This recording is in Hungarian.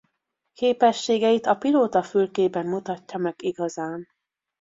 Képességeit a pilótafülkében mutatja meg igazán.